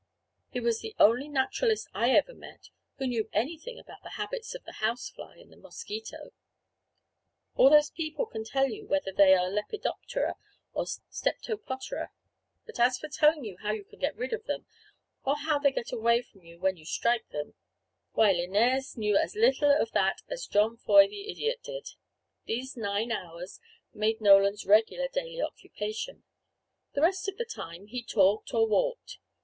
He was the only naturalist I ever met who knew anything about the habits of the house fly and the mosquito. All those people can tell you whether they are Lepidoptera or Steptopotera; but as for telling how you can get rid of them, or how they get away from you when you strike them why Linnæus knew as little of that as John Foy the idiot did. These nine hours made Nolan's regular daily "occupation." The rest of the time he talked or walked.